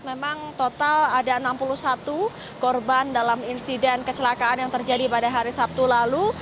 memang total ada enam puluh satu korban dalam insiden kecelakaan yang terjadi pada hari sabtu lalu